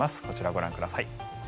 こちらをご覧ください。